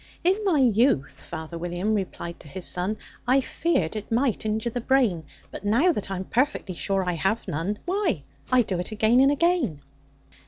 "In my youth," father William replied to his son, "I feared it might injure the brain; But, now that I'm perfectly sure I have none, Why, I do it again and again."